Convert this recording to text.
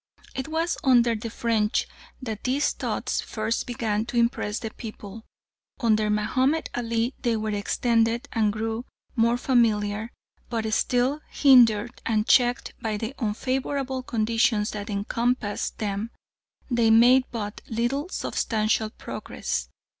It was under the French that these thoughts first began to impress the people. Under Mahomed Ali they were extended and grew more familiar, but still, hindered and checked by the unfavourable conditions that encompassed them, they made but little substantial progress.